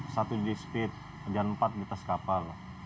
satu di speed dan empat di atas kapal